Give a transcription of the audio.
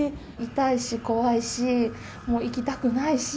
痛いし、怖いし、もう行きたくないし。